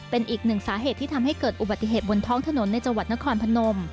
เป็นอีกหนึ่งสาเหตุที่ทำให้เกิดอุบัติเหตุบนท้องถนนในจังหวัดนครพนม